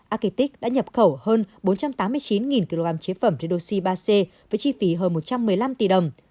argentic đã nhập khẩu hơn bốn trăm tám mươi chín kg chế phẩm redoxi ba c với chi phí hơn một trăm một mươi năm tỷ đồng